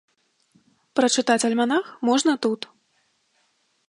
Прачытаць альманах можна тут.